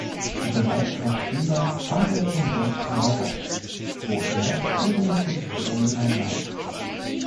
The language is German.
Bereits als Schüler fand er zum Bund Neuland, wo er führende Positionen einnahm.